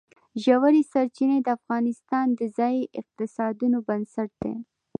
ژورې سرچینې د افغانستان د ځایي اقتصادونو بنسټ دی.